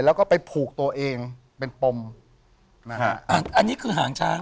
แล้วก็ไปผูกตัวเองเป็นปมนะฮะอันนี้คือหางช้าง